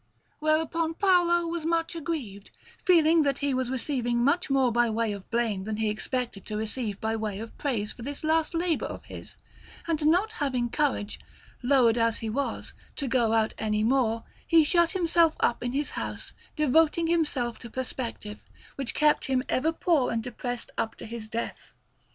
Whereupon Paolo was much aggrieved, feeling that he was receiving much more by way of blame than he expected to receive by way of praise for this last labour of his; and not having courage, lowered as he was, to go out any more, he shut himself up in his house, devoting himself to perspective, which kept him ever poor and depressed up to his death.